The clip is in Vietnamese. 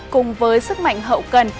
cùng với sức mạnh hậu cần